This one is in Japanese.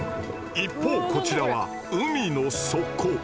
一方こちらは海の底。